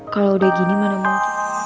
kalau udah gini mana mungkin